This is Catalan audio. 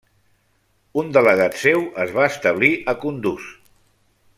Un delegat seu es va establir a Kunduz.